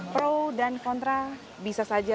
pro dan kontra bisa saja